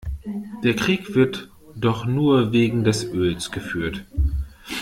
Der Krieg wird doch nur wegen des Öls geführt.